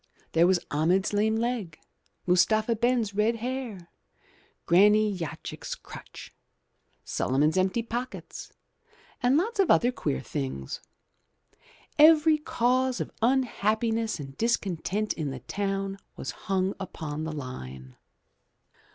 There was Ahmed's lame leg, Mustapha Ben's red hair. Granny Yochki's crutch, Suliman's empty pockets, and lots of other queer things. Every cause of imhappiness and discontent in the town was hung upon the line.